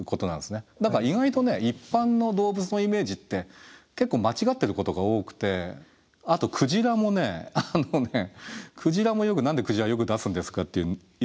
だから意外と一般の動物のイメージって結構間違ってることが多くてあとクジラもねあのねクジラもよく何でクジラよく出すんですかって言われるんだけどクジラもほら。